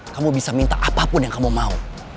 kamu bisa minta apapun yang kamu mau